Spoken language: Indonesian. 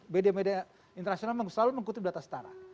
bdmd internasional selalu mengkutip data setara